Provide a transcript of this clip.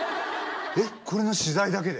えっこれの取材だけで？